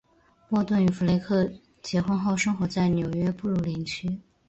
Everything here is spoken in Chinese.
波顿与弗雷克结婚后生活在纽约布鲁克林区。